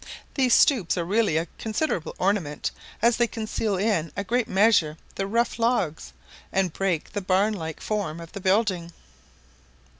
These stoups are really a considerable ornament, as they conceal in a great measure the rough logs, and break the barn like form of the building.